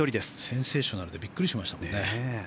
センセーショナルでびっくりしましたもんね。